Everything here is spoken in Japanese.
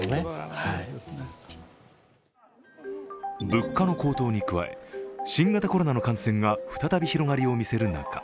物価の高騰に加え、新型コロナの感染が再び広がりを見せる中